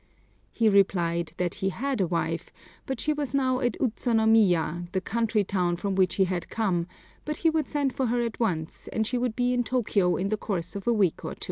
He replied that he had a wife, but she was now at Utsunomiya, the country town from which he had come, but he would send for her at once, and she would be in Tōkyō in the course of a week or two.